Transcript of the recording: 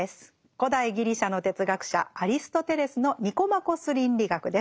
古代ギリシャの哲学者アリストテレスの「ニコマコス倫理学」です。